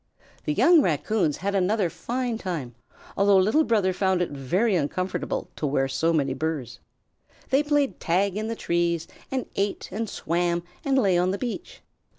The young Raccoons had another fine time, although Little Brother found it very uncomfortable to wear so many burrs. They played tag in the trees, and ate, and swam, and lay on the beach.